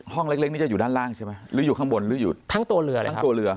เล็กเล็กนี่จะอยู่ด้านล่างใช่ไหมหรืออยู่ข้างบนหรืออยู่ทั้งตัวเรือเลยทั้งตัวเรือ